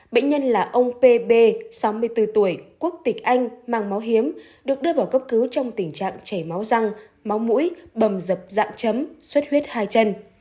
bệnh nhân là ông pb sáu mươi bốn tuổi quốc tịch anh mang máu hiếm được đưa vào cấp cứu trong tình trạng chảy máu răng máu mũi bầm dập dạng chấm xuất huyết hai chân